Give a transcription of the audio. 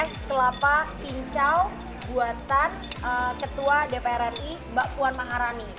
es kelapa cincau buatan ketua dpr ri mbak puan maharani